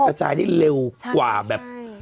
กระจายได้เร็วกว่าแบบ